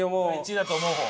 １位だと思う方。